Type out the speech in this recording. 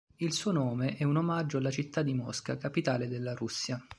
Il suo nome è un omaggio alla città di Mosca, capitale della Russia.